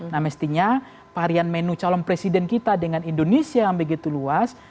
nah mestinya varian menu calon presiden kita dengan indonesia yang begitu luas